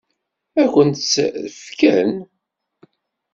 Ad kent-tt-fken?